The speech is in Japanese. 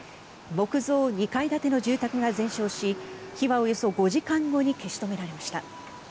木造２階建ての住宅が全焼し火はおよそ５時間後に消し止められました。